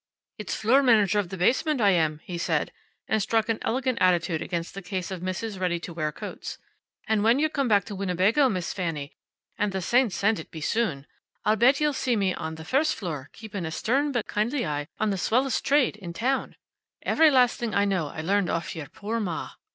"It's flure manager of the basement I am," he said, and struck an elegant attitude against the case of misses' ready to wear coats. "And when you come back to Winnebago, Miss Fanny, and the saints send it be soon I'll bet ye'll see me on th' first flure, keepin' a stern but kindly eye on the swellest trade in town. Ev'ry last thing I know I learned off yur poor ma."